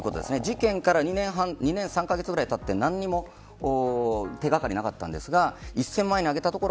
事件から２年３カ月くらいたって何も手掛かりがありませんでしたが１０００万円に上げたところ